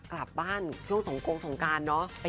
กลับบ้านช่วงสงกงสงการเนอะ